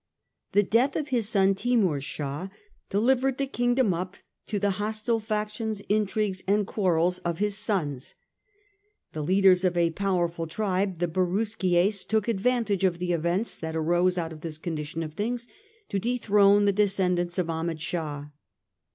The death of his son, Timur Shah, delivered the kingdom up to the hostile factions, intrigues, and quarrels of his sons; the leaders of a powerful tribe, the Barukzyes, took advantage of the events that arose out of this condi tion of things to dethrone the descendants of Ahmed Shah.